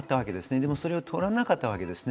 でも、それを取らなかったわけです。